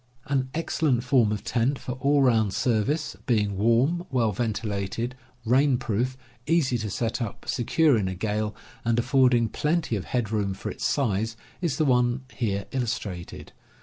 An excellent form of tent for all round service, being warm, well ventilated, rain proof, easy to set up, secure P ., in a gale, and aflFording plenty of head ^ room for its size, is the one here illus trated.